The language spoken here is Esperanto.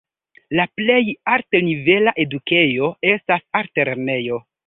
La plej altnivela edukejo estas altlernejo.